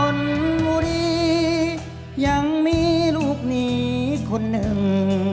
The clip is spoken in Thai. นบุรียังมีลูกหนีคนหนึ่ง